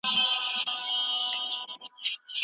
د نکاح قطعي او ممکن مصلحتونه کوم دي؟